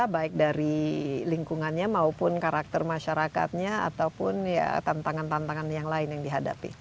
baik dari lingkungannya maupun karakter masyarakatnya ataupun tantangan tantangan yang lain yang dihadapi